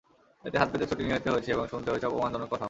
এতে হাত পেতে ছুটি নিতে হয়েছে এবং শুনতে হয়েছে অপমানজনক কথাও।